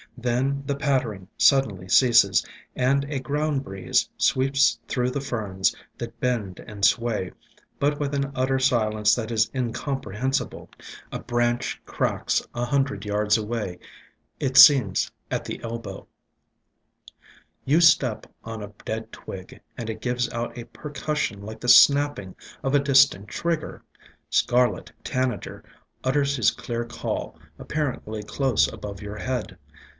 Then the pattering suddenly ceases, and a ground breeze sweeps through the Ferns, that bend and sway, but with an utter silence that is incomprehensible. A branch cracks a hundred yards away — it seems at the elbow. 93 94 IN SILENT WOODS You step on a dead twig, and it gives out a per cussion like the snapping of a distant trigger. Scar let Tanager utters his clear call, apparently close above your head.